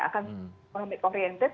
akan mengambil oriented